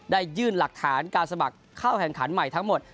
ยื่นหลักฐานการสมัครเข้าแข่งขันใหม่ทั้งหมด